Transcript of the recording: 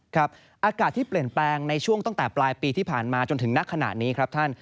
อากาศที่เปลี่ยนแปลงในช่วงตั้งแต่ปลายปีที่ผ่านมาจนถึงนักขณะนี้ครับท่าน